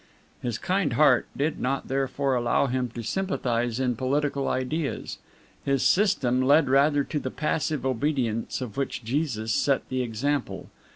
His kind heart did not therefore allow him to sympathize in political ideas; his system led rather to the passive obedience of which Jesus set the example.